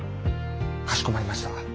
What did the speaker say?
かしこまりました。